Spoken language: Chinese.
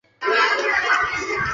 于帕尔拉克人口变化图示